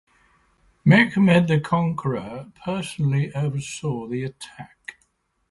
Mehmed the Conqueror personally oversaw the attack.